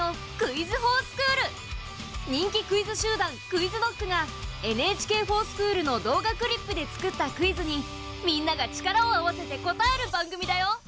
人気クイズ集団ＱｕｉｚＫｎｏｃｋが「ＮＨＫｆｏｒｓｃｈｏｏｌ」の動画クリップで作ったクイズにみんなが力を合わせて答える番組だよ。